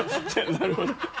なるほど